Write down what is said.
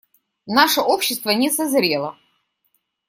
Наше общество не созрело.